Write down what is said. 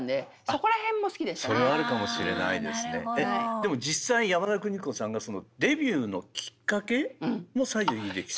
でも実際山田邦子さんがそのデビューのきっかけも西城秀樹さん。